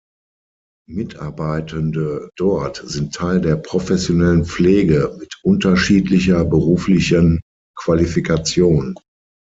Mitarbeitende dort sind Teil der "professionellen Pflege" mit unterschiedlicher beruflichen Qualifikation.